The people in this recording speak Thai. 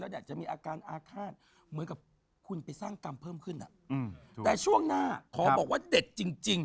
อยากจะมีอาการอาฆาตเหมือนกับคุณไปสร้างกรรมเพิ่มขึ้นแต่ช่วงหน้าขอบอกว่าเด็ดจริงจริง